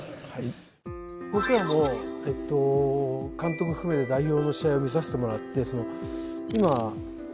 僕らもえっと監督含めて代表の試合を見させてもらってですね。